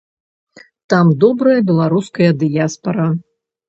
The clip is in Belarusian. Там добрая беларуская дыяспара.